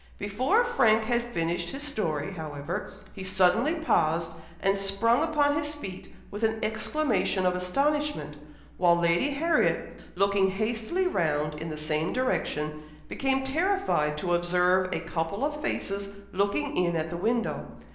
Before Frank had finished his story, however, he suddenly paused, and sprung upon his feet with an exclamation of astonishment, while Lady Harriet, looking hastily round in the same direction, became terrified to observe a couple of faces looking in at the window.